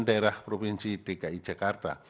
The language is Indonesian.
daerah provinsi dki jakarta